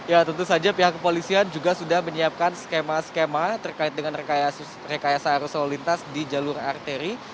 ya tentu saja pihak kepolisian juga sudah menyiapkan skema skema terkait dengan rekayasa arus lalu lintas di jalur arteri